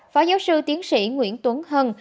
phó giáo sư tiến sĩ nguyễn tuấn hân